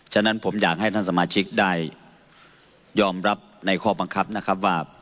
ฉะนั้นผมอยากให้ท่านสมาชิกได้ยอมรับในข้อบังคับนะครับว่า